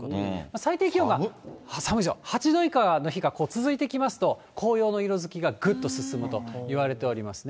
最低気温が、寒いんですよ、８度以下の日が続いてきますと、紅葉の色づきがぐっと進むといわれておりますね。